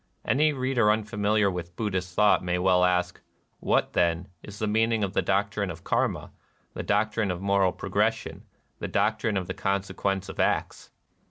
Any reader unfamiliar with Buddhist thought may well ask, " What, then, is the meaning of the doc trine of Karma, the doctrine of moral pro gression, the doctrine of the consequence of acts